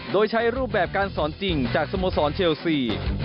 โดยใช้รูปแบบการสอนจริงจากสโมสรเชลซี